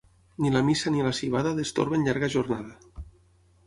Ni la missa ni la civada destorben llarga jornada.